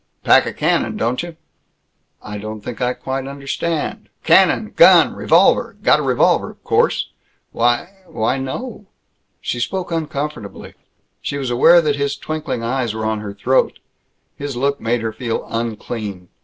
"Pack a cannon, don't you?" "I don't think I quite understand." "Cannon! Gun! Revolver! Got a revolver, of course?" "W why, no." She spoke uncomfortably. She was aware that his twinkling eyes were on her throat. His look made her feel unclean.